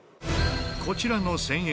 こちらの１０００円